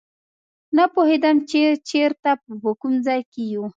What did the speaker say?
نه پوهېدم چې چېرته او په کوم ځای کې یو.